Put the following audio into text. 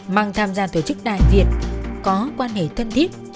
măng tham gia tổ chức đại việt có quan hệ thân thiết với vũ hồng khanh nghiêm kế tổ